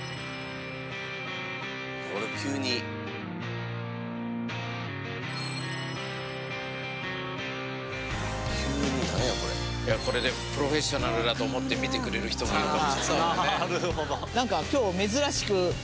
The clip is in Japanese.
急に急に何や？これこれで「プロフェッショナル」だと思って見てくれる人もいるかもしれないからね